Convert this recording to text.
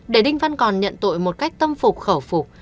để đinh văn còn nhận tội một cách tâm phục khẩu phục